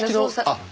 あっ。